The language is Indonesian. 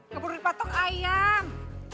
keburu di patok ayam